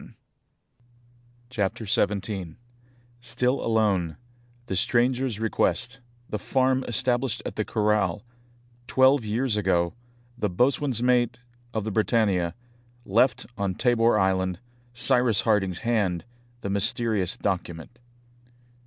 And I " CHAPTER XVII Still alone The Stranger's Request The Farm established at the Corral Twelve Years ago The Boatswain's Mate of the Britannia Left on Tabor Island Cyrus Harding's Hand The mysterious Document.